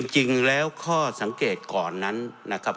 จริงแล้วข้อสังเกตก่อนนั้นนะครับ